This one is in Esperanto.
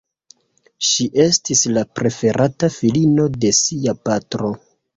Ŝi estis la preferata filino de sia patro.